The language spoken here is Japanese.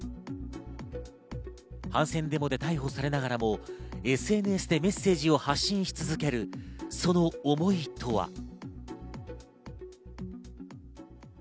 反戦デモで逮捕されながらもＳＮＳでメッセージを発信し続けるその思いとは。